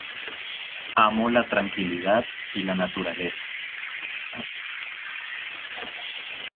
Amo la naturaleza y la tranquilidad.